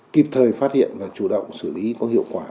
kịp thời phát hiện và chủ động xử lý có hiệu quả